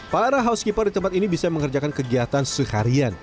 para housekeeper di tempat ini bisa mengerjakan kegiatan seharian